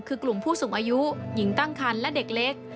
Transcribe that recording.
คือกลุ่มผู้สูงอายุหญิงตั้งคันและเด็กเล็ก